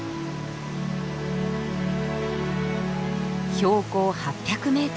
標高８００ｍ。